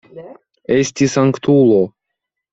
Esti sanktulo!